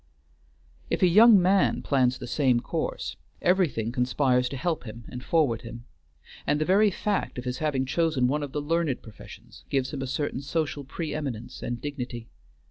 If a young man plans the same course, everything conspires to help him and forward him, and the very fact of his having chosen one of the learned professions gives him a certain social preëminence and dignity.